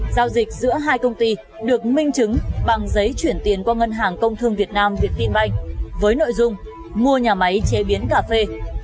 giao dịch giữa hai công ty được minh chứng bằng giấy chuyển tiền qua ngân hàng công thương việt nam việt tinh banh với nội dung mua nhà máy chế biến cà phê